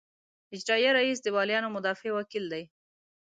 اجرائیه رییس د والیانو مدافع وکیل دی.